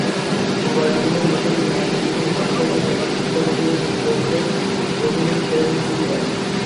Mobile ফোনের messaging application হোয়াটসঅ্যাপে নতুন ফিচার হিসেবে যুক্ত হচ্ছে ডকুমেন্ট শেয়ারিং সুবিধা।